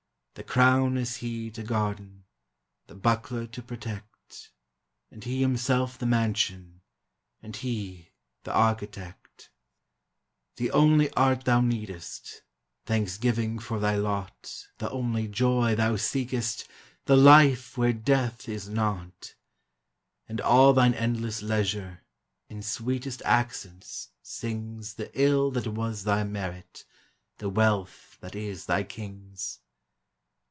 The Crown is he to guerdon, The Buckler to protect, And he himself the Mansion, And he the Architect. DEATH: IMMORTALITY: HEAVEN. 421 The only art thou fieedest — Thanksgiving for thy lot; The only joy thou seekest —■ The Life where Death is not. And all thine endless leisure, In sweetest accents, sings The ill that was thy merit. The wealth that is thy King's!